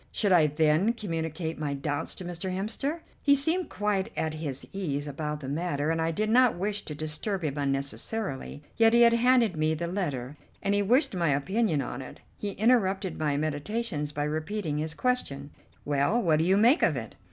Should I then communicate my doubts to Mr. Hemster? He seemed quite at his ease about the matter, and I did not wish to disturb him unnecessarily. Yet he had handed me the letter, and he wished my opinion on it. He interrupted my meditations by repeating his question: "Well, what do you make of it?"